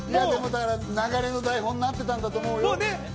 流れの台本になってたんだと思うよ。